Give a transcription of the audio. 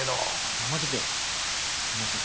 怠けてはいません。